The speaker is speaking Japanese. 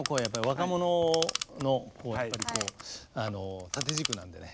若者のやっぱりこう縦軸なんでね